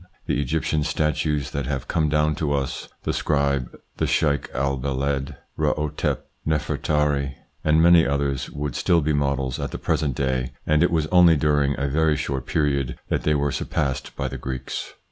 The Egyptian statues that have come down to us, the Scribe, the Cheik el Beled, Rahotep, Nefert Ari, and many others would still be models at the present day, and it was only during a very short period that they were sur passed by the Greeks.